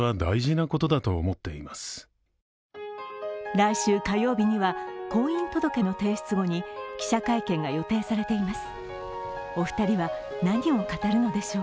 来週火曜日には婚姻届の提出後に記者会見が予定されています。